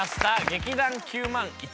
「劇団９０００１」。